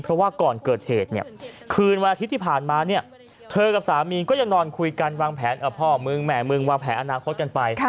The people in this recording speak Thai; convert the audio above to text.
เพราะว่าก่อนเกิดเหตุเนี่ยคืนวันอาทิตย์ที่ผ่านมาเนี่ยเธอกับสามีก็ยังนอนคุยกันวางแผนพ่อมึงแห่มึงวางแผนอนาคตกันไป